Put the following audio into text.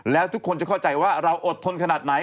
แล้วทุกคนจะเข้าใจว่าเราอดทนขนาดไหน